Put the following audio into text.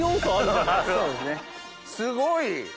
すごい！